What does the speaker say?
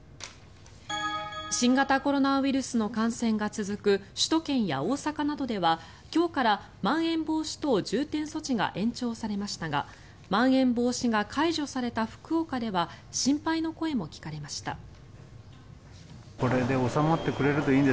新型コロナウイルスの感染が続く首都圏や大阪などでは今日からまん延防止等重点措置が延長されましたがまん延防止が解除された福岡では心配の声も聞かれました。